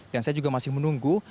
dan saya juga masih menunggu